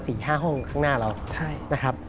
ห้าห้องข้างหน้าเราใช่นะครับ